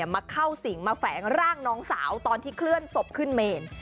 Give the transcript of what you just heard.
มาเข้าสิงมาแฝงร่างน้องสาวตอนที่เคลื่อนศพขึ้นเมน